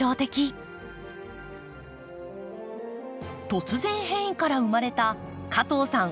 突然変異から生まれた加藤さん